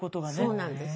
そうなんです。